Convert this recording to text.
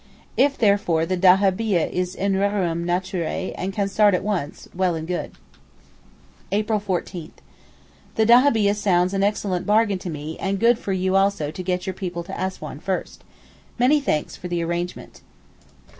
If therefore the dahabieh is in rerum naturæ and can start at once, well and good. April 14.—The dahabieh sounds an excellent bargain to me and good for you also to get your people to Assouan first. Many thanks for the arrangement.